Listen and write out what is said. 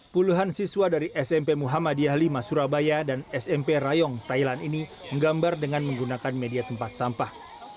puluhan siswa dari smp muhammadiyah v surabaya dan smp rayong thailand ini menggambar dengan menggunakan media tempat sampah